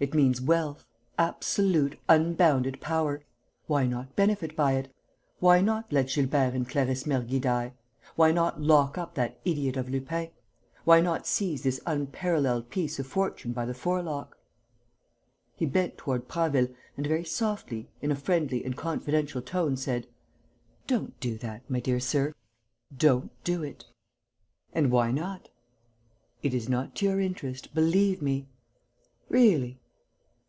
It means wealth, absolute, unbounded power. Why not benefit by it? Why not let Gilbert and Clarisse Mergy die? Why not lock up that idiot of a Lupin? Why not seize this unparalleled piece of fortune by the forelock?'" He bent toward Prasville and, very softly, in a friendly and confidential tone, said: "Don't do that, my dear sir, don't do it." "And why not?" "It is not to your interest, believe me." "Really!"